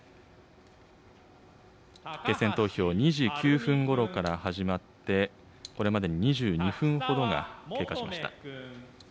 決選投票、２時９分ごろから始まって、これまでに２２分ほどが経過しました。